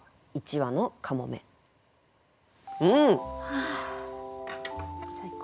はあ最高。